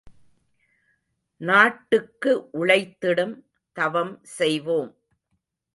நாட்டுக்கு உழைத்திடும் தவம் செய்வோம்!